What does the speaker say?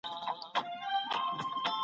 حق پالونکي تل د حق ننګه کوی.